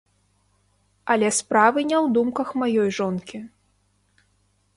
Але справы не ў думках маёй жонкі.